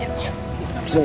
ya tolong ya